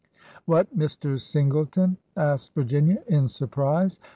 " What, Mr. Singleton ?" asked Virginia, in surprise.